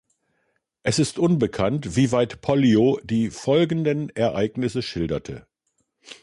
Es ist unbekannt, wie weit Pollio die folgenden Ereignisse schilderte.